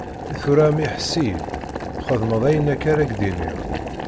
Tura a mmi, ḥess-iyi-d, txedmeḍ ayen akka ara k-d-iniɣ.